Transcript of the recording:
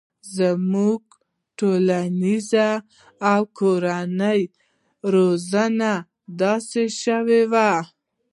زموږ ټولنیزه او کورنۍ روزنه داسې شوي